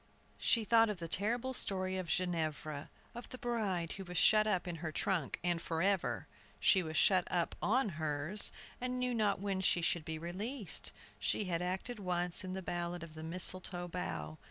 She thought of the terrible story of Ginevra, of the bride who was shut up in her trunk, and forever! She was shut up on hers, and knew not when she should be released! She had acted once in the ballad of the "Mistletoe Bough."